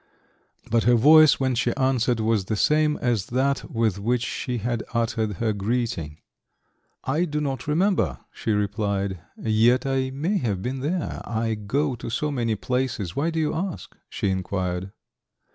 But her voice when she answered was the same as that with which she had uttered her greeting. "I do not remember," she replied, "yet I may have been there; I go to so many places. Why do you ask?" she inquired.